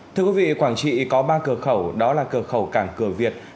thưa quý vị quảng trị có ba cửa khẩu đó là cửa khẩu cảng cửa việt